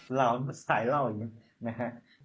เหล้าใสเหล้าอีกยังเฮ็บ